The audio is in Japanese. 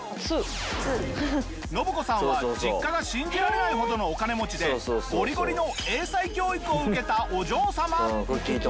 信子さんは実家が信じられないほどのお金持ちでゴリゴリの英才教育を受けたお嬢様！